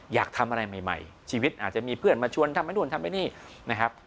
อยากทำอะไรใหม่ชีวิตอาจจะมีเพื่อนมาชวนทำไปนู่นทำไปนี่นะครับ